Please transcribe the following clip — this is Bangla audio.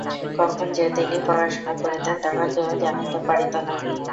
কখন যে তিনি পড়াশুনা করিতেন, তাহা কেহ জানিতে পারিত না।